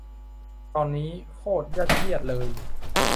ตอนนี้ โคตรยัดเยียดเลย